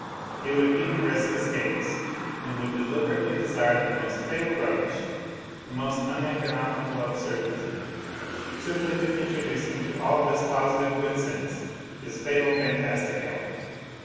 He would even risk his cakes and would deliberately desire the most fatal rubbish, the most uneconomical absurdity, simply to introduce into all this positive good sense his fatal fantastic element.